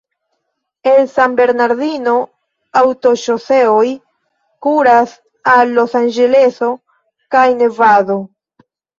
El San Bernardino aŭtoŝoseoj kuras al Los-Anĝeleso kaj Nevado.